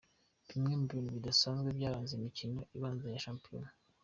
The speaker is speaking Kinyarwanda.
Bimwe mu bintu bidasanzwe byaranze imikino ibanza ya shampiyona ni :.